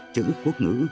chữ quốc ngữ